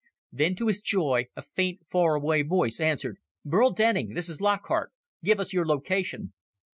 Then, to his joy, a faint, far away voice answered, "Burl Denning! This is Lockhart. Give us your location."